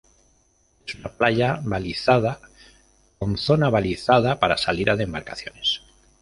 Es una playa balizada con zona balizada para salida de embarcaciones..